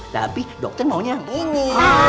tapi dokter maunya yang ini